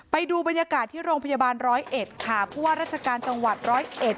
ไปดูบรรยากาศที่โรงพยาบาลร้อยเอ็ดค่ะผู้ว่าราชการจังหวัดร้อยเอ็ด